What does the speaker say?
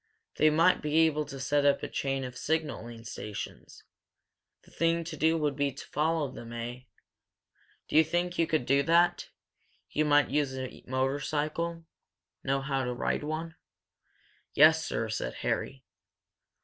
"They might be able to set up a chain of signalling stations," he said. "The thing to do would be to follow them, eh? Do you think you could do that? You might use a motorcycle know how to ride one?" "Yes, sir," said Harry.